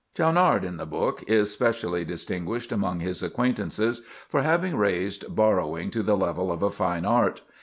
Schaunard in the book is specially distinguished among his acquaintances for having raised borrowing to the level of a fine art.